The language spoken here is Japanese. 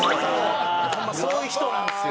ホンマそういう人なんですよ。